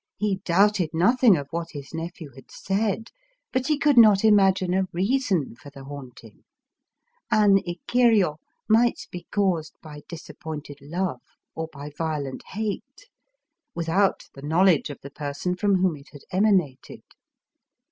He doubted nothing of what his nephew had said; but he could not imagine a reason for the haunting. An ikiryo might be caused by disap pointed love, or by violent hate, — without the knowledge of the person from whom it had ema nated.